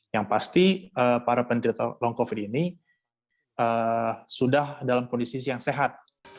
yang pasti para penderita long covid ini sudah dalam kondisi yang sehat